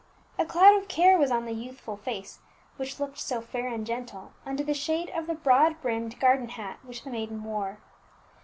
A cloud of care was on the youthful face which looked so fair and gentle under the shade of the broad brimmed garden hat which the maiden wore.